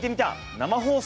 生放送。